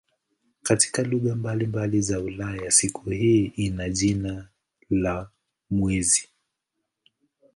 Katika lugha mbalimbali za Ulaya siku hii ina jina la "mwezi".